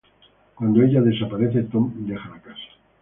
Cuando ella desaparece, Tom deja la casa.